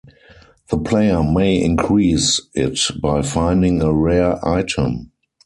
The player may increase it by finding a rare item.